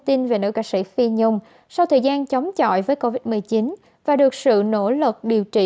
tin về nữ ca sĩ phi nhung sau thời gian chống chọi với covid một mươi chín và được sự nỗ lực điều trị